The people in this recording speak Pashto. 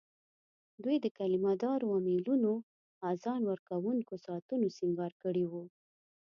دوی د کلیمه دارو امېلونو، اذان ورکوونکو ساعتو سینګار کړي وو.